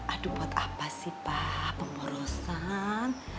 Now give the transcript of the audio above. aduh buat apa sih pak pemborosan